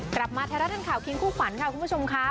กลับมาไทยรัฐทันข่าวคิงคู่ขวัญค่ะคุณผู้ชมค่ะ